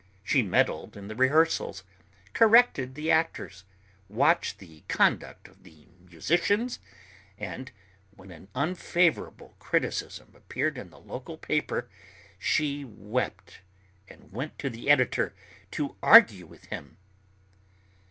She meddled in the rehearsals, corrected the actors, watched the conduct of the musicians; and when an unfavourable criticism appeared in the local paper, she wept and went to the editor to argue with him.